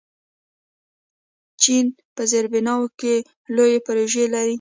چین په زیربناوو کې لوی پروژې لري.